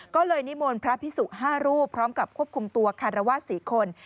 ก็เลยนิมนต์พระพิสุ๕รูปพร้อมกับควบคุมตัวคารวาส๔คน